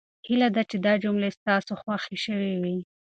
هیله ده چې دا جملې ستاسو خوښې شوې وي.